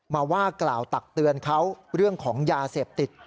มาว่ากล่าวตักเตือนเขาเรื่องของยาเสพติด